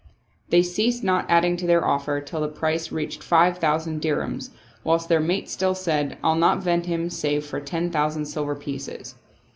They ceased not adding to their offer till the price reached five thousand dirhams, whilst their mate still said, " I'll not vend him save for ten thousand silver pieces."